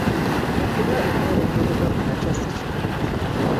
Okulya emmere ennyogoga kumakya si kirungi.